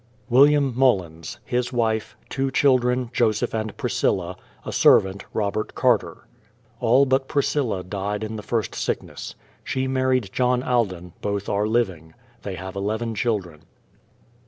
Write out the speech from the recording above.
WILLIAM MULLINS; his wife; two children, Joseph and Priscilla; a servant, ROBERT CARTER. All but Priscilla died in the first sickness. She married John Alden; both are living. They have eleven children.